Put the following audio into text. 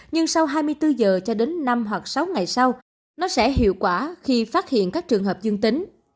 nhưng sau hai mươi bốn giờ cho đến năm hoặc sáu ngày sau nó sẽ hiệu quả khi phát hiện các trường hợp dương tính